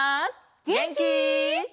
げんき？